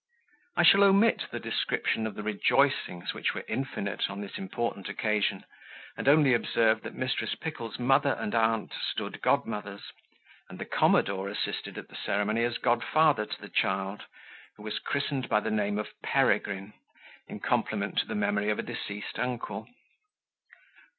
I shall omit the description of the rejoicings, which were infinite on this important occasion, and only observe that Mrs. Pickle's mother and aunt stood godmothers, and the commodore assisted at the ceremony as godfather to the child, who was christened by the name of Peregrine, in compliment to the memory of a deceased uncle.